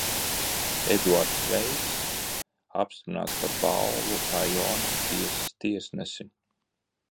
Eduards Veiss apstiprināts par Balvu rajona tiesas tiesnesi.